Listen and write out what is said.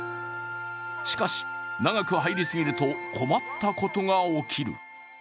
しかし、長く入り過ぎると困ったことが起きる。